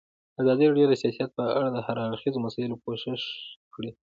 ازادي راډیو د سیاست په اړه د هر اړخیزو مسایلو پوښښ کړی.